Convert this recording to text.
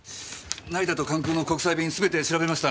成田と関空の国際便すべて調べました。